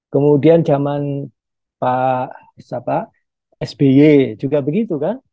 kemudian zaman pak sby juga begitu kan